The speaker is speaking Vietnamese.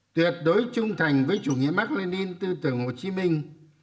tuyệt đối trung thành với chủ nghĩa mạc lê ninh tư tưởng hồ chí minh